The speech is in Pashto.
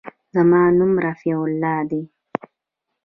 زما نوم رفيع الله دى.